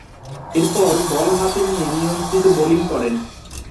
এরপর, বল হাতে নিয়ে নিয়ন্ত্রিত বোলিং করেন।